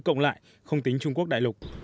cộng lại không tính trung quốc đại lục